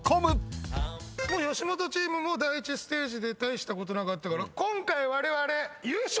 吉本チームも第１ステージで大したことなかったから今回われわれ。